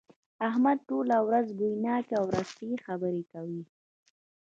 احمد ټوله ورځ بويناکې ورستې خبرې کوي.